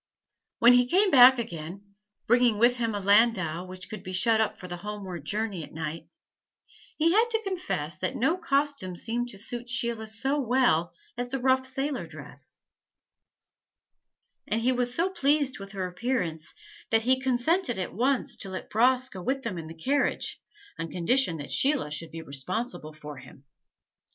When he came back again, bringing with him a landau which could be shut up for the homeward journey at night, he had to confess that no costume seemed to suit Sheila so well as the rough sailor dress; and he was so pleased with her appearance that he consented at once to let Bras go with them in the carriage, on condition that Sheila should be responsible for him.